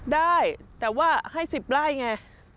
ได้แต่ว่าให้๑๐ไร่ไง